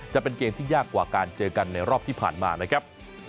จะเป็นเกมที่ยากกว่าการเจอกันในรอบที่ผ่านมานะครับ